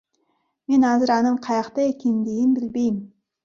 Мен азыр анын каякта экендигин билбейм.